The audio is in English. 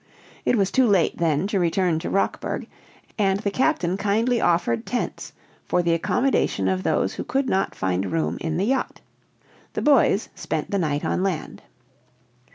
It was too late then to return to Rockburg, and the captain kindly offered tents for the accommodation of those who could not find room in the yacht. The boys spent the night on land.